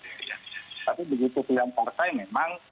tapi begitu yang konkret saya memang